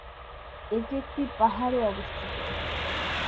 এটি একটি পাহাড়ে অবস্থিত।